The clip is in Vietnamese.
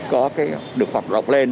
có cái được hoạt động lên